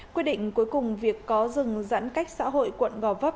quyết định cuối cùng việc có rừng giãn cách xã hội quận gò vấp